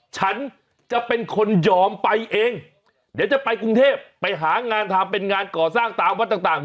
ฉันจะเป็นคนยอมไปเองเดี๋ยวจะไปกรุงเทพไปหางานทำเป็นงานก่อสร้างตามวัดต่าง